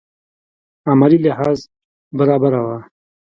عملي لحاظ برابره وه.